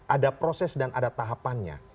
ada proses dan ada tahapannya